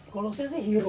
kalau saya sih hero